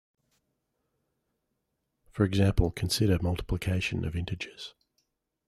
For example, consider multiplication of integers.